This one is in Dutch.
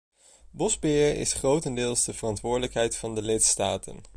Bosbeheer is grotendeels de verantwoordelijkheid van de lidstaten.